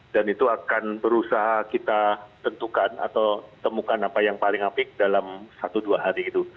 dan itu akan berusaha kita tentukan atau temukan apa yang paling apik dalam satu dua hari itu